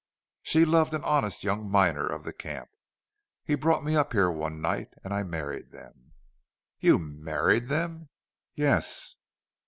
She loved an honest young miner of the camp. He brought me up here one night. And I married them." "YOU MARRIED THEM!" "Yes."